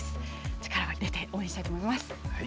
力を入れて応援したいと思います。